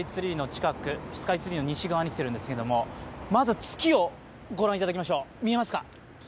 今、スカイツリーの西側に来ているんですけど、まず月をご覧いただきましょう見えますか？